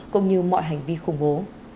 cũng như mọi hành vi khủng bố